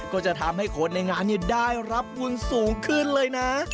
ก็จะทำให้คนในงานได้รับบุญสูงขึ้นเลยนะ